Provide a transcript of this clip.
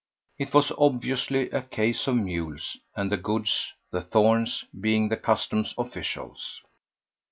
It was obviously a case of mules and of the goods, the "thorns" being the customs officials.